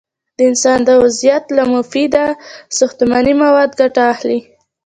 د انسان د عضویت له مفیده ساختماني موادو ګټه اخلي.